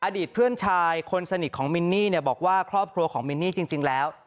อดีตเพื่อนชายคนสนิทของมินนี่บอกว่าครอบครัวของมินนี่จริงแล้ว